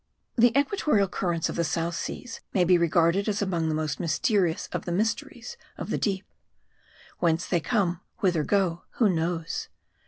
The equatorial currents of the South Seas may be regard ed as among the most mysterious of the mysteries of the deep. Whence they come, whither go, who knows